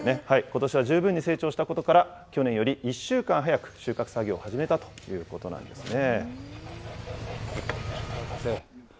ことしは十分に成長したことから、去年より１週間早く収穫作業を始めたということなんですね。